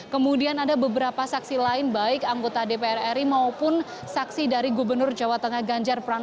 kemudian ada beberapa saksi lain baik anggota dpr ri maupun saksi dari gubernur jawa tengah ganjar pranowo